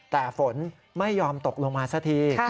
แต่ฝนไม่ยอมตกลงมาสักที